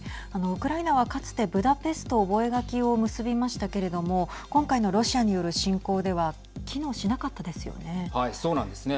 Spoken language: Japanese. ウクライナはかつてブダペスト覚書を結びましたけれども今回のロシアによる侵攻では機能しなかったですよね。